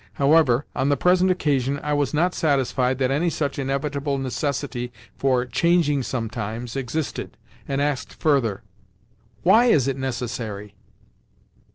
However, on the present occasion, I was not satisfied that any such inevitable necessity for "changing sometimes" existed, and asked further: "Why is it necessary?"